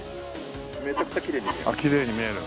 めちゃくちゃきれいに見えます。